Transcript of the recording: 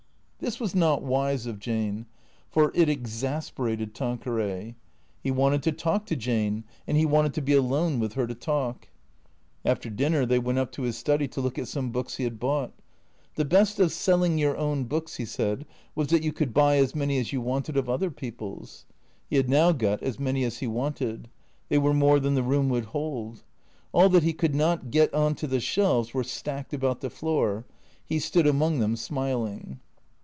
This was not wise of Jane, for it exasperated Tanqueray. He wanted to talk to Jane, and he wanted to be alone with her to talk. After dinner they went up to his study to look at some books he had bought. The best of selling your own books, he said, was that you could buy as many as you wanted of other peo ple's. He had now got as many as he wanted. They were more than the room would hold. All that he could not get on to the shelves were stacked about the floor. He stood among them smiling.